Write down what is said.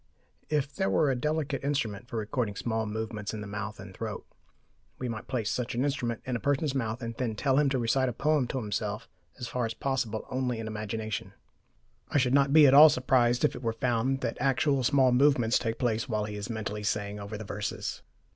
If there were a delicate instrument for recording small movements in the mouth and throat, we might place such an instrument in a person's mouth and then tell him to recite a poem to himself, as far as possible only in imagination. I should not be at all surprised if it were found that actual small movements take place while he is "mentally" saying over the verses.